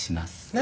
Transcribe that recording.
何？